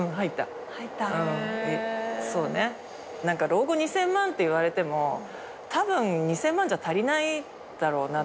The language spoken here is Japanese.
老後２，０００万って言われてもたぶん２，０００万じゃ足りないだろうな。